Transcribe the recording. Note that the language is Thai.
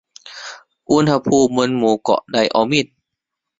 อุณหภูมิบนหมู่เกาะไดออมีด